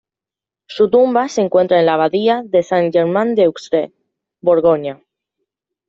Su tumba se encuentra en la abadía de San Germán de Auxerre, Borgoña.